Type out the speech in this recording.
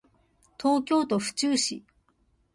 東京都府中市